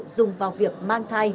dùng vào việc mang thai